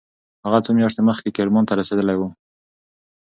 هغه څو میاشتې مخکې کرمان ته رسېدلی و.